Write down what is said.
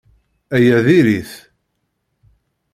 Aya diri-t.